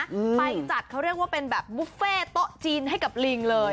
ไปจัดเขาเรียกว่าเป็นแบบบุฟเฟ่โต๊ะจีนให้กับลิงเลย